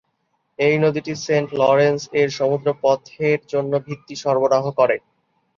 এই নদীটি Saint Lawrence এর সমুদ্র পথের জন্য ভিত্তি সরবরাহ করে।